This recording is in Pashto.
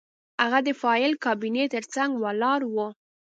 هغه د فایل کابینې ترڅنګ ولاړ و